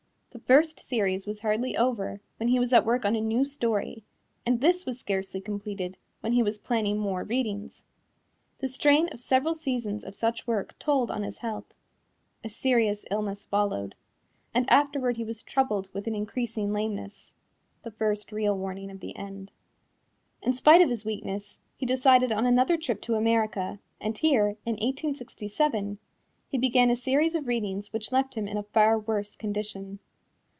The first series was hardly over, when he was at work on a new story, and this was scarcely completed when he was planning more readings. The strain of several seasons of such work told on his health. A serious illness followed, and afterward he was troubled with an increasing lameness the first real warning of the end. In spite of his weakness, he decided on another trip to America, and here, in 1867, he began a series of readings which left him in a far worse condition.